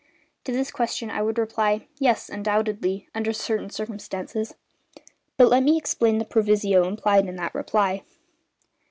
To this question I would reply: "Yes, undoubtedly, under certain circumstances." But let me explain the proviso implied in that reply.